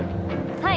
はい。